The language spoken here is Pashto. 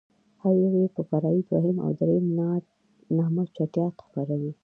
هر يو يې په فرعي دوهم او درېم نامه چټياټ خپروي.